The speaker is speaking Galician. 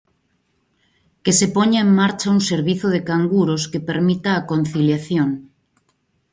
Que se poña en marcha un servizo de canguros que permita a conciliación.